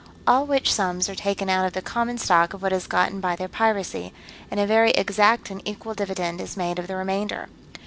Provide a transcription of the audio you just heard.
All which sums are taken out of the common stock of what is gotten by their piracy, and a very exact and equal dividend is made of the remainder.